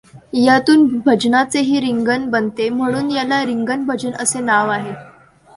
यातून भजनाचेही रिंगण बनते म्हणून याला रिंगण भजन असे नाव आहे.